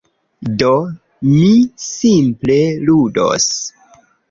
Do, mi simple ludos.